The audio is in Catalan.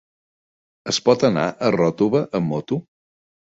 Es pot anar a Ròtova amb moto?